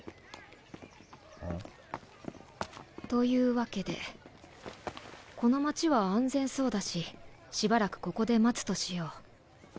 ん？というわけでこの街は安全そうだししばらくここで待つとしよう。